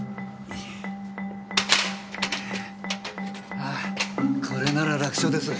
ああこれなら楽勝です。